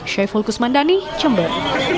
syai fulkus mandani jember